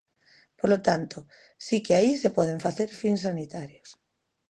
Polo tanto, si que aí se poden facer fins sanitarios.